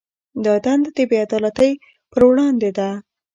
دا دنده د بې عدالتۍ پر وړاندې ده.